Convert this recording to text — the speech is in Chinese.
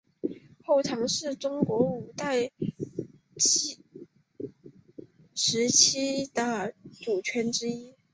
后唐是中国五代时期的政权之一。